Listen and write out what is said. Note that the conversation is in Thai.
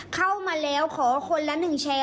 เข้ามาแล้วขอคนละ๑แชร์